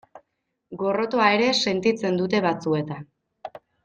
Gorrotoa ere sentitzen dute batzuetan.